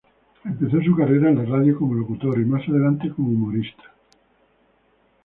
Empezó su carrera en la radio como locutor y, más adelante, como humorista.